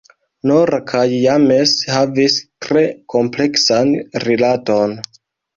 Nora kaj James havis tre kompleksan rilaton.